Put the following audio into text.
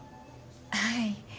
はい。